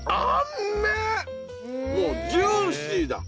もうジューシーだ